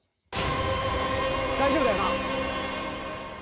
大丈夫だよな？